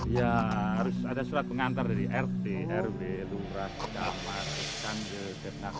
iya harus ada surat pengantar dari rt rw lb jg kg nkj jakarta selatan